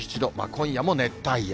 今夜も熱帯夜。